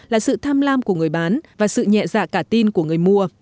là sự tham lam của người bán và sự nhẹ dạ cả tin của người mua